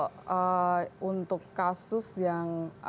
kalau untuk kasus yang